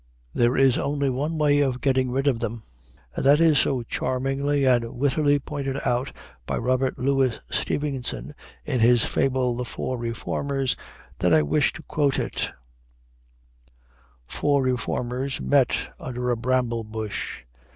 There is only one way of getting rid of them, and that is so charmingly and wittily pointed out by Robert Louis Stevenson in his fable, "The Four Reformers," that I wish to quote it: "Four reformers met under a bramble bush.